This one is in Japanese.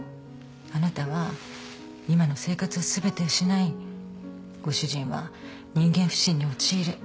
あなたは今の生活を全て失いご主人は人間不信に陥る。